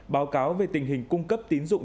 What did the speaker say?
báo cáo về tình hình cung cấp tín dụng